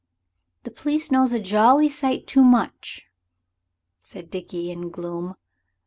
"The pleece knows a jolly sight too much," said Dickie, in gloom.